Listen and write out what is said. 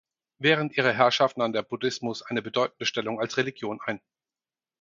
Während ihrer Herrschaft nahm der Buddhismus eine bedeutende Stellung als Religion ein.